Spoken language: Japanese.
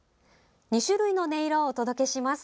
２種類の音色をお届けします。